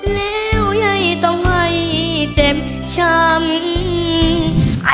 แล้วยายต้องไม่เจ็บช้ำ